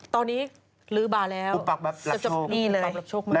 ตอนนี้ลื้อบาลแล้ว